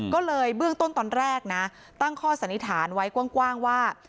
ก็เลยเบื้องต้นตอนแรกนะตั้งข้อสันนิษฐานไว้กว้างว่า